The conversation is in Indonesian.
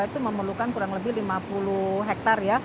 itu memerlukan kurang lebih lima puluh hektar